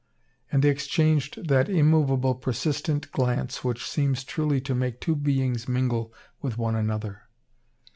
And they exchanged that immovable, persistent glance, which seems truly to make two beings mingle with one another!